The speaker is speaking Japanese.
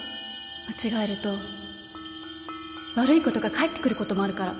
間違えると悪いことが返ってくることもあるから